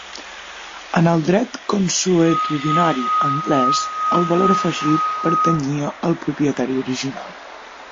En el dret consuetudinari anglès, el valor afegit pertanyia al propietari original.